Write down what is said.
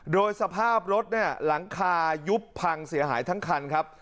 โดยสภาพรถเนี่ยหลังคายุบพังเสียหายทั้งคันครับ